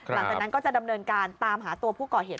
หลังจากนั้นก็จะดำเนินการตามหาตัวผู้ก่อเหตุ